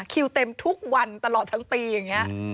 คิวเต็มทุกวันตลอดทั้งปีอย่างนี้